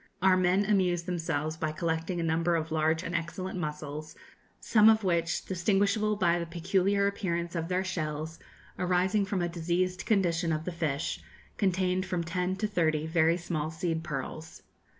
Our men amused themselves by collecting a number of large and excellent mussels, some of which, distinguishable by the peculiar appearance of their shells, arising from a diseased condition of the fish, contained from ten to thirty very small seed pearls.